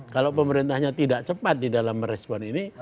kalau pemerintahnya tidak cepat di dalam merespon ini